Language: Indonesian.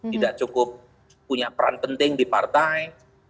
tidak cukup punya peran penting di partai